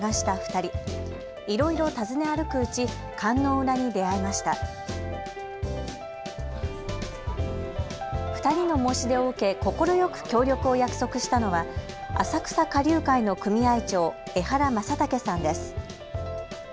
２人の申し出を受け、快く協力を約束したのは浅草花柳界の組合長、江原正剛さんです。